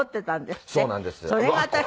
そうなんですよ。